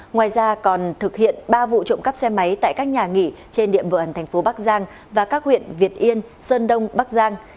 ngoài ra còn thực hiện ba vụ trộm cắp xe máy tại các nhà nghỉ trên địa bàn thành phố bắc giang và các huyện việt yên sơn đông bắc giang